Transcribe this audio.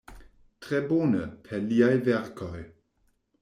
Tre bone, per liaj verkoj.